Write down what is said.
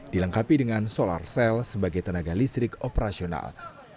dilengkapi dengan solar cell sebagai tenaga listrik operasional